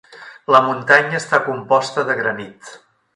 La muntanya està composta de granit.